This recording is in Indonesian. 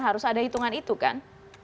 harus ada hitungan itu kan